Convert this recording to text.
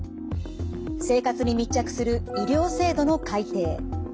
生活に密着する医療制度の改定。